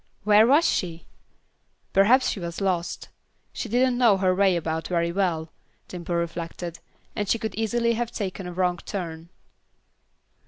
Where was she? Perhaps she was lost. She didn't know her way about very well, Dimple reflected, and she could easily have taken a wrong turn.